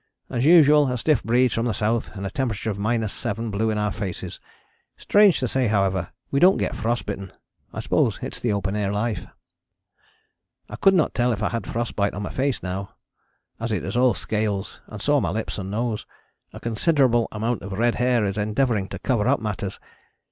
As usual a stiff breeze from the south and a temperature of 7° blew in our faces. Strange to say, however, we don't get frost bitten. I suppose it is the open air life. I could not tell if I had a frost bite on my face now, as it is all scales, so are my lips and nose. A considerable amount of red hair is endeavouring to cover up matters.